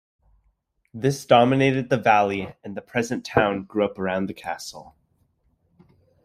This dominated the valley and the present town grew up around the castle.